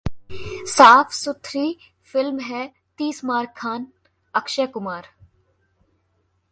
साफ सुथरी फिल्म है ‘तीस मार खां’: अक्षय कुमार